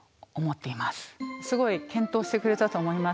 すごい健闘してくれたと思います。